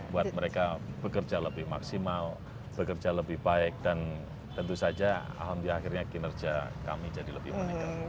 buat mereka bekerja lebih maksimal bekerja lebih baik dan tentu saja alhamdulillah akhirnya kinerja kami jadi lebih meningkat